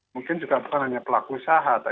mungkin juga bukan hanya pelaku usaha